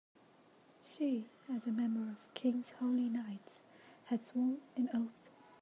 She, as a member of the king's holy knights, had sworn an oath.